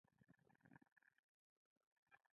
بیا په مختلفو نقطو کې په مختلف ضخامت برخه جوړوي.